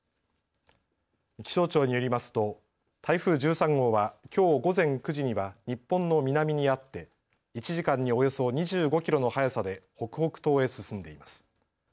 気象庁によりますと台風１３号はきょう午前９時には日本の南にあって１時間におよそ２５キロの速さで北北東へ進んでいます。